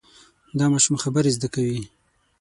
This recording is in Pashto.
دا ماشوم خبرې زده کوي.